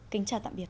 kính chào tạm biệt